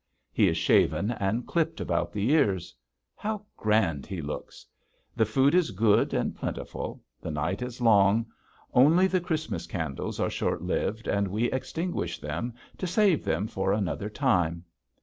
He is shaven, and clipped about the ears. How grand he looks! The food is good and plentiful, the night is long, only the Christmas candles are short lived and we extinguish them to save them for another time.